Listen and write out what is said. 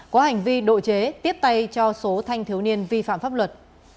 có hành vi độ chế tiếp tay cho số thanh thiếu niên vi phạm pháp luật